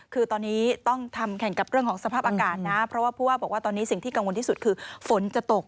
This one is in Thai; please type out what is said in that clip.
คือตอนนี้ต้องทำแข่งกับเรื่องของสภาพอากาศนะเพราะว่าผู้ว่าบอกว่าตอนนี้สิ่งที่กังวลที่สุดคือฝนจะตก